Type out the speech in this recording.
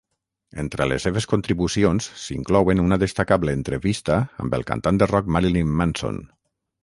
Entre les seves contribucions s"inclouen una destacable entrevista amb el cantant de rock Marilyn Manson.